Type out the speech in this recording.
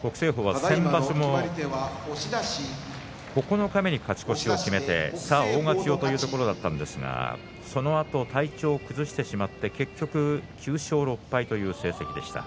北青鵬は先場所も九日目に勝ち越しを決めてさあ大勝ちをというところだったんですがそのあと体調を崩してしまって９勝６敗という成績でした。